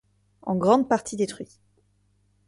En grande partie détruit.